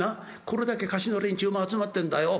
これだけ河岸の連中が集まってんだよ。